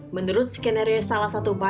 menurut skenario salah satu perusahaan